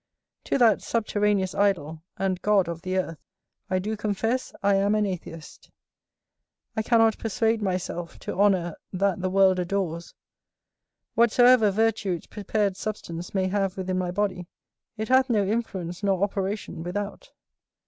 To that subterraneous idol, and god of the earth, I do confess I am an atheist. I cannot persuade myself to honour that the world adores; whatsoever virtue its prepared substance may have within my body, it hath no influence nor operation without.